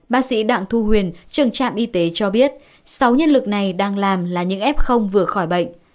bác sĩ đạng thu huyền trường trạm y tế cho biết sáu nhân lực này đang làm là những ép không vừa khỏi bệnh